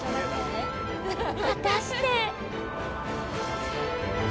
果たして。